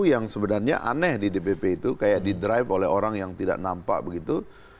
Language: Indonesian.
yang sebenarnya aneh di dpp itu kayak di drive oleh orang yang tidak nampak begitu